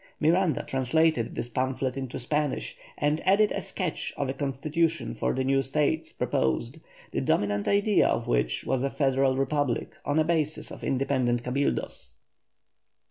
Miranda translated this pamphlet into Spanish, and added a sketch of a constitution for the new States proposed, the dominant idea of which was a federal republic on a basis of independent Cabildos.